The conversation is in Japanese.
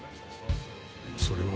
それは。